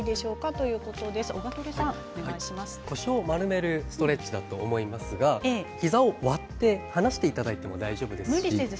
腰を丸めるストレッチのことだと思いますが膝を割って離していただいても大丈夫です。